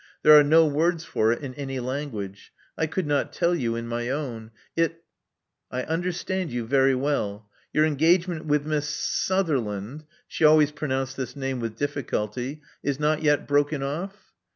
There are no words for it in any language: I could not tell you in my own. It I understand you very well. Your engagement with Miss S Sutherland'* — she always pronounced this name with difficulty — is not yet broken off?